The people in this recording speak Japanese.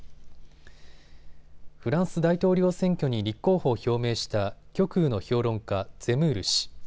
フランス大統領選挙に立候補を表明した極右の評論家、ゼムール氏。